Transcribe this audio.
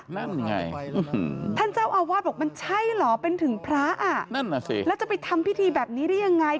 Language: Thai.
นั่นไงท่านเจ้าอาวาสบอกว่ามันใช่เหรอเป็นถึงพระแล้วจะไปทำพิธีแบบนี้ได้ยังไง